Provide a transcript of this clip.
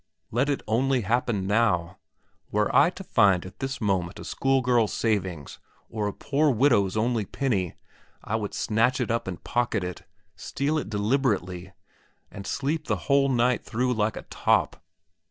Let it only happen now! Were I to find at this moment a schoolgirl's savings or a poor widow's only penny, I would snatch it up and pocket it; steal it deliberately, and sleep the whole night through like a top.